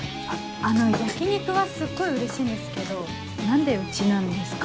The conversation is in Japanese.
あの焼き肉はすっごいうれしいんですけど何でうちなんですか？